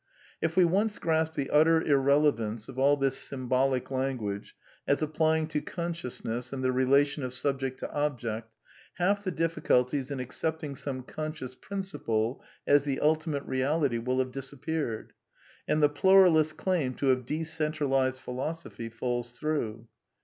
If we once grasp the utter irrelevance of all this sym bolic language as applying to consciousness and the rela tion of subject to object, half the difiiculties in accepting some conscious principle as the ultimate reality will have disappeared; and the pluralist^s claim to have decentral ized Philosophy falls through.